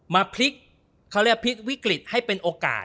พลิกเขาเรียกพลิกวิกฤตให้เป็นโอกาส